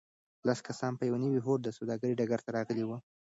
لس کسان په یوه نوي هوډ د سوداګرۍ ډګر ته راغلي وو.